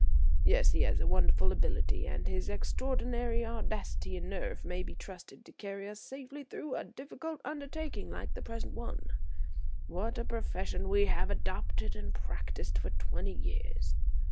Yes, he has wonderful ability and his extraordinary audacity and nerve may be trusted to carry us safely through a difficult undertaking like the present one. What a profession we have adopted and practised for twenty years.